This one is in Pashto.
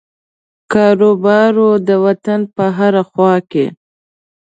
کاروبار وو د وطن په هره خوا کې.